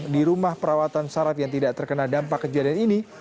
di rumah perawatan sarat yang tidak terkena dampak kejadian ini